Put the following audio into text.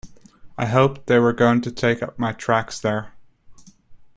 I hoped they were going to take up my tracks there.